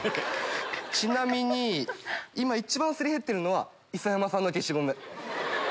ちなみに今一番すり減ってるのはイソヤマさんの消しゴム。